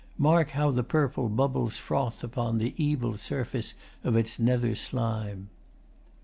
Mark how the purple bubbles froth upon The evil surface of its nether slime!